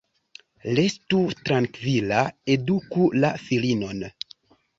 Restu trankvila, eduku la filinon.